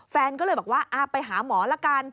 แฟนก็เลยบอกว่าไปหาหมอละกัน